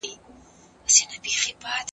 د څښاک اوبه باید د هر چا لپاره پاکي وي.